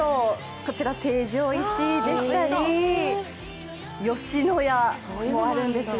こちら、成城石井でしたり吉野家もあるんですよ。